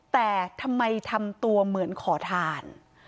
แต่ทำไมทำตัวเหมือนขอทาน